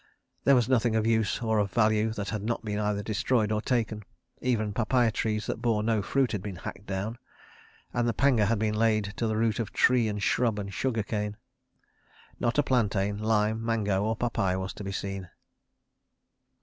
There was nothing of use or of value that had not been either destroyed or taken. Even papai trees that bore no fruit had been hacked down, and the panga had been laid to the root of tree and shrub and sugar cane. Not a plantain, lime, mango, or papai was to be seen.